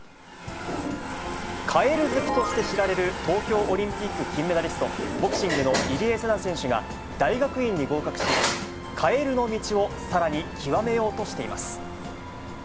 カエル好きとして知られる、東京オリンピック金メダリスト、ボクシングの入江聖奈選手が大学院に合格し、カエルの道をさらに究めようとしています。